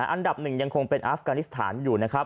อันดับหนึ่งยังคงเป็นอาฟกานิสตานอยู่